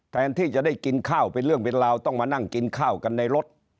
แทนที่จะได้กินข้าวเป็นเรื่องเป็นราวต้องมานั่งกินข้าวกันในรถ